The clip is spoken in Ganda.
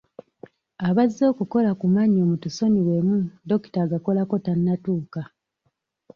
Abazze okukola ku mannyo mutusonyiwemu dokita agakolako tannatuuka.